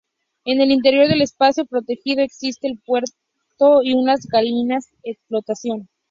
En el interior del espacio protegido existe un puerto y unas salinas en explotación.